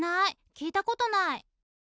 聞いたことない。